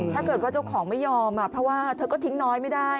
ถ้าเกิดว่าเจ้าของไม่ยอมเพราะว่าเธอก็ทิ้งน้อยไม่ได้